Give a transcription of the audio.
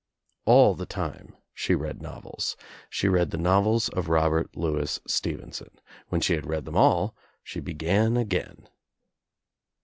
All the time she read novels. She read the novels M. of Robert Louis Stevenson. When she had read them H all she began again.